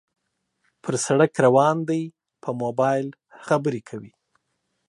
پر سړک روان دى په موبایل خبرې کوي